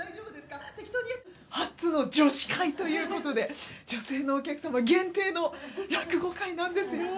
初の女子会ということで女性のお客様限定の落語会なんですよ。